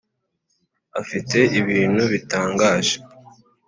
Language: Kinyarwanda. Afite ibintu bitangaje